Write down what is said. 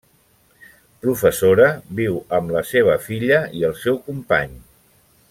Professora, viu amb la seva filla i el seu company.